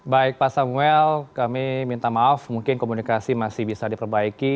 baik pak samuel kami minta maaf mungkin komunikasi masih bisa diperbaiki